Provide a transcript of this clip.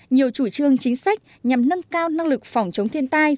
nhiều chủ trương chính sách nhằm nâng cao năng lực phòng chống thiên tai